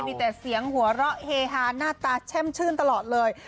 ไม่เจียงหัวเฮฮาหน้าตาแช่มชื่นตลอดเลย